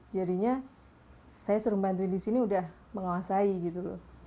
jadinya saya suruh membantu di sini sudah menguasai gitu